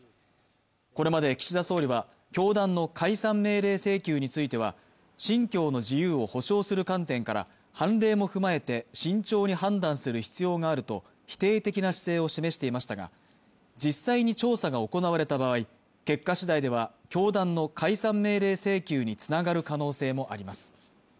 これまで岸田総理は教団の解散命令請求については信教の自由を保障する観点から判例も踏まえて慎重に判断する必要があると否定的な姿勢を示していましたが、実際に調査が行われた場合、結果しだいでは教団の解散命令請求につながる可能性もあります。